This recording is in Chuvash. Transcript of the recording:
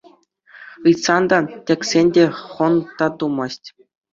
Ыйтсан та, тӗксен те хӑнк та тумасть.